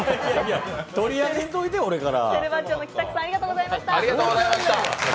取り上げんといて、俺から。